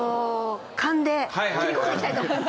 勘で切り込んでいきたいと思います。